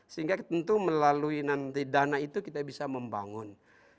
sehingga tentu melalui nanti dana itu kita bisa membangun